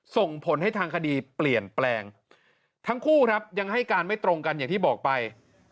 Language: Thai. ส่งผลให้ทางคดีเปลี่ยนแปลงทั้งคู่ครับยังให้การไม่ตรงกันอย่างที่บอกไป